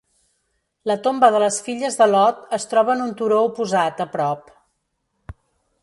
La tomba de les filles de Lot es troba en un turó oposat a prop.